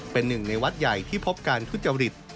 เป็นหนึ่งในวัดใหญ่ที่พบการทุจริต